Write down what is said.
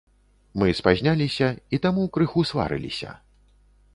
Мы спазняліся і таму крыху сварыліся.